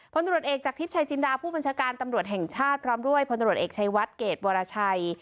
ตรวจเอกจากทริปชายจินดาผู้บัญชาการตำรวจแห่งชาติพร้อมด้วยพลตรวจเอกชัยวัดเกรดวรชัย